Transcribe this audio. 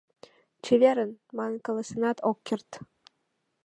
«Чеверын!» манын каласенат ок керт.